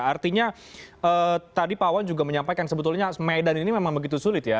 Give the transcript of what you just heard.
artinya tadi pak wan juga menyampaikan sebetulnya medan ini memang begitu sulit ya